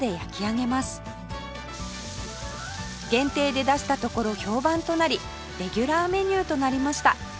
限定で出したところ評判となりレギュラーメニューとなりました